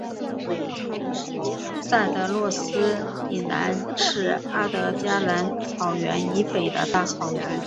戴德洛斯以南是阿德加蓝草原以北的大草原。